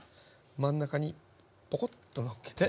真ん中にポコッとのっけて。